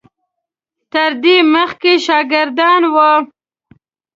تر دې مخکې شاګردان وو.